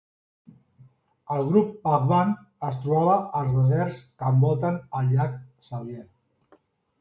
El grup Pahvant es trobava als deserts que envolten el llac Sevier.